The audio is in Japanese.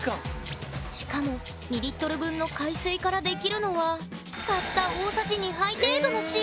しかも２リットル分の海水からできるのはたった大さじ２杯程度の塩。